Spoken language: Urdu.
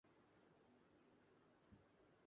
کسی سیاستدان نے پرمٹ لے لیا تو آگے ٹرانسپورٹروں کو دیا۔